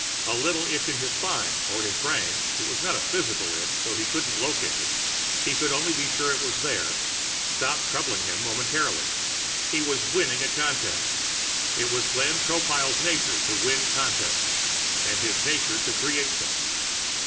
A little itch in his spine or his brain it was not a physical itch, so he couldn't locate it; he could only be sure that it was there stopped troubling him momentarily; he was winning a contest. It was Glenn Tropile's nature to win contests ... and his nature to create them.